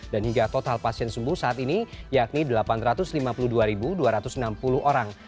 dan hingga total pasien sembuh saat ini yakni delapan ratus lima puluh dua dua ratus enam puluh orang